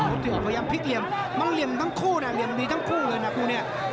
ที่ออกพยายามพลิกเหลี่ยมมันเหลี่ยมทั้งคู่นะเหลี่ยมดีทั้งคู่เลยนะคู่นี้